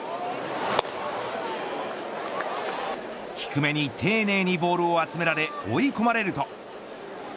低めに丁寧にボールを集められ追い込まれると。